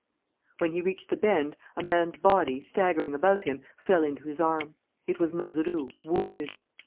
When he reached the bend, a man's body, staggering above him, fell into his arms: it was Mazeroux, wounded.